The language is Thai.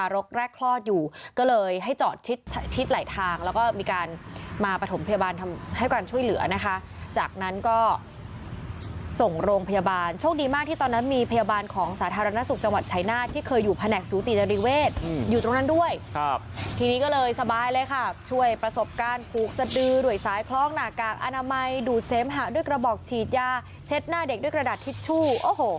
แล้วก็มีการมาประถมพยาบาลทำให้การช่วยเหลือนะคะจากนั้นก็ส่งโรงพยาบาลโชคดีมากที่ตอนนั้นมีพยาบาลของสาธารณสุขจังหวัดชัยนาธน์ที่เคยอยู่แผนกสูติจังห์ดีเวทอยู่ตรงนั้นด้วยครับทีนี้ก็เลยสบายเลยค่ะช่วยประสบการณ์ผูกสะดือด่วยซ้ายคล้องหนากากอนามัยดูดเส้นหาด้วยกระบอกฉีดยาเช็ดหน้าเด็ก